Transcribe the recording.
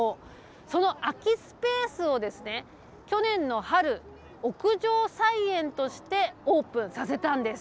その空きスペースを、去年の春、屋上菜園としてオープンさせたんです。